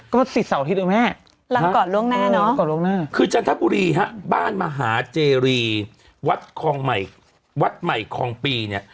ก็ว่าสิบเสาร์ที่ดูแม่คือจันทบุรีฮะบ้านมหาเจรีวัดใหม่คลองปีเนี่ย